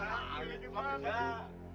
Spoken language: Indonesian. neng mau makan